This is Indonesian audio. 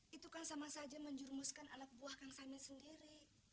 hai itu kan sama saja menjurumuskan alat buah kang samin sendiri